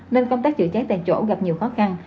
nên công tác chữa cháy tại chỗ gặp nhiều khó khăn